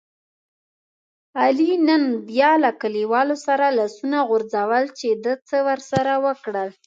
علي نن بیا له کلیوالو سره لاسونه غورځول چې ده څه ورسره وکړل.